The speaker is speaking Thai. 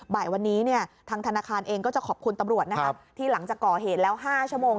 บ่ายวันนี้เนี่ยทางธนาคารเองก็จะขอบคุณตำรวจนะครับที่หลังจากก่อเหตุแล้ว๕ชั่วโมง